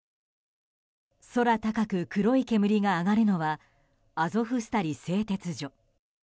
空高く黒い煙が上がるのはアゾフスタリ製鉄所。